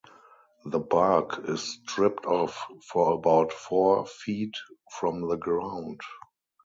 The bark is stripped off for about four feet from the ground.